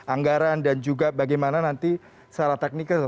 anggaran dan juga bagaimana nanti secara teknikal